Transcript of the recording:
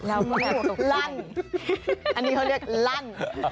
อันนี้เขาเรียกลั่น